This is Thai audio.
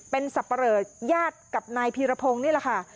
เป็นสับปะเหลอญาติกับนายพีรพงศ์นี่แหละค่ะ